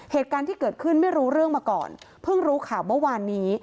เหตุการณ์ที่เกิดขึ้นไม่รู้เรื่องมาก่อนเพิ่งรู้ข่าวเมื่อวานนี้